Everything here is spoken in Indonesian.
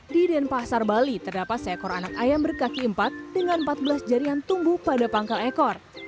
di denpasar bali terdapat seekor anak ayam berkaki empat dengan empat belas jarian tumbuh pada pangkal ekor